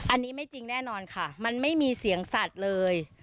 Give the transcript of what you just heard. อันนี้ไม่จริงแน่นอนค่ะมันไม่มีเสียงสัตว์เลย